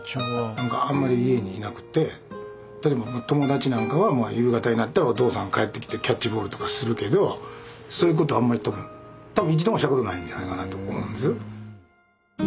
何かあんまり家に居なくて例えば友達なんかはもう夕方になったらお父さん帰ってきてキャッチボールとかするけどそういうこと多分一度もしたことないんじゃないかなと思うんです。